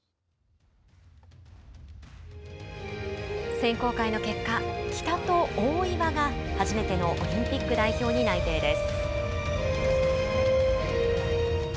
選考会の結果喜田と大岩が初めてのオリンピック代表に内定です。